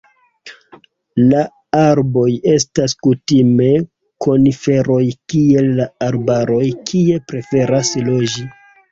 La arboj estas kutime koniferoj kiel la arbaroj kie preferas loĝi.